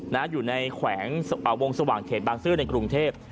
อยู่ในแขวงวงสว่างเขตบางซื่อในกรุงเทพ